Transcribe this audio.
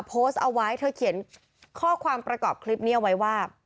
โพสต์เอาไว้เธอเขียนข้อความประกอบคลิปนี้เอาไว้ว่า